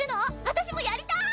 私もやりたい！